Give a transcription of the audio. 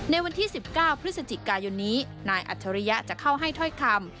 ในวันที่๑๙พฤศจิกายนนี้นายอัจฉริยะจะเข้าให้ถ้อยคำ